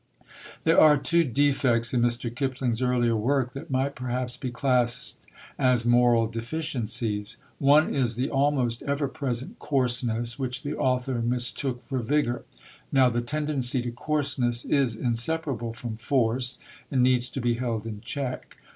There are two defects in Mr. Kipling's earlier work that might perhaps be classed as moral deficiencies. One is the almost ever present coarseness, which the author mistook for vigour. Now the tendency to coarseness is inseparable from force, and needs to be held in check.